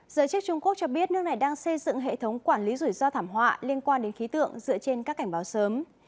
giới chức trung quốc cho biết nước này đang xây dựng hệ thống quản lý rủi ro thảm họa liên quan đến khí tượng dựa trên các cảnh báo sớm